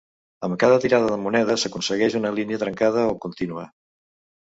Amb cada tirada de monedes, s'aconsegueix una línia trencada o contínua.